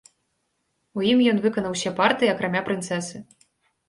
У ім ён выканаў усе партыі, акрамя прынцэсы.